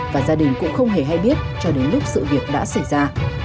và gia đình cũng không hề hay biết cho đến lúc sự việc đã xảy ra